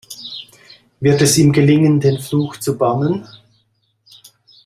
Wird es ihm gelingen, den Fluch zu bannen?